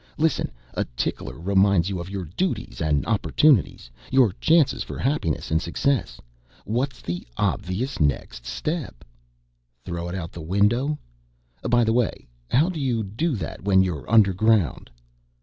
Listen: a tickler reminds you of your duties and opportunities your chances for happiness and success! What's the obvious next step?" "Throw it out the window. By the way, how do you do that when you're underground?"